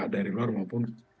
dari luar maupun